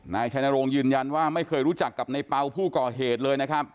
นายชัยนรงค์ยืนยันว่าไม่เคยรู้จักกับในเปล่าผู้ก่อเหตุเลยนะครับ